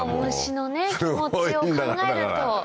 虫の気持ちを考えると。